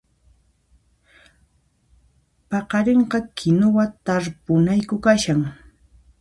Paqarinqa kinuwa tarpunayku kashan